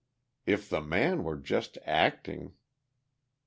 If the man were just acting....